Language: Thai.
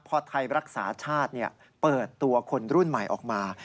พอไทยรักษาชาติเปิดตัวคนรุ่นใหม่ออกมา